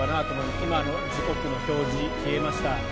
今、時刻の表示消えました。